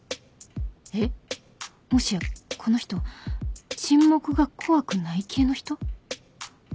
えっもしやこの人沈黙が怖くない系の人？